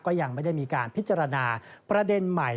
ก็ยังไม่ได้มีการพิจารณาประเด็นใหม่